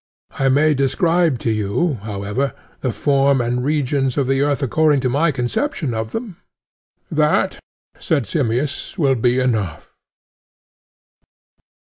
I may describe to you, however, the form and regions of the earth according to my conception of them. That, said Simmias, will be enough.